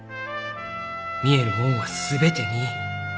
見えるもんは全て見い。